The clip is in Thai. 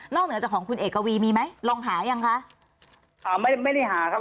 เหนือจากของคุณเอกวีมีไหมลองหายังคะหาไม่ไม่ได้หาครับ